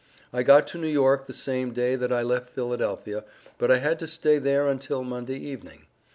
I got to New York the same day that I left Philadelphia, but I had to stay there untel Monday evening.